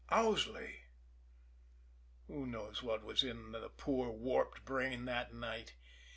Owsley? Who knows what was in the poor, warped brain that night?